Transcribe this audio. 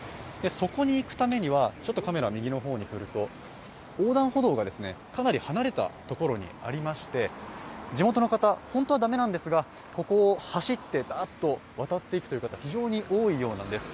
そこに行くためには横断歩道がかなり離れたところにありまして、地元の方、本当は駄目なんですがここを走ってダッと渡っていくという方、非常に多いようなんです。